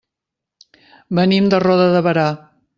Venim de Roda de Berà.